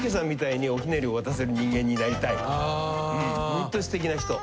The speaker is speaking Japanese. ホントにすてきな人。